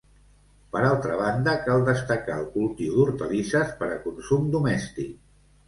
Per altra banda, cal destacar el cultiu d'hortalisses per a consum domèstic.